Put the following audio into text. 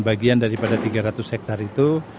bagian daripada tiga ratus hektare itu